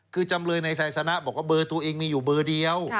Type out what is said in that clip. คือจำเลยในไซสนะบอกว่าเบอร์ตัวเองมีอยู่เบอร์เดียว